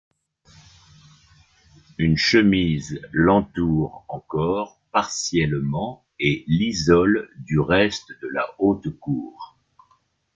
Une chemise l’entoure encore partiellement et l’isole du reste de la haute cour.